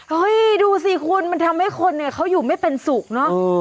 เฮ้ยดูสิคุณมันทำให้คนไงเขาอยู่ไม่เป็นสุขเนาะ